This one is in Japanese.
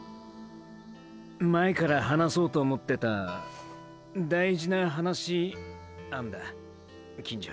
前から話そうと思ってた大事な話アンだ金城。